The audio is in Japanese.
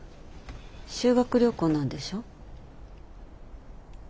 修学旅行なんでしょ？